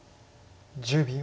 １０秒。